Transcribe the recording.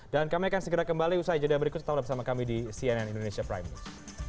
dan kami akan segera kembali usai jeda berikut setelah bersama kami di cnn indonesia prime news